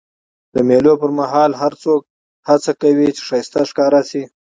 د مېلو پر مهال هر څوک هڅه کوي، چي ښایسته ښکاره سي.